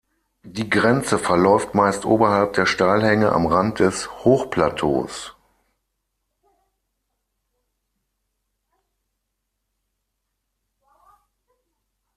Die Grenze verläuft meist oberhalb der Steilhänge am Rand des Hochplateaus.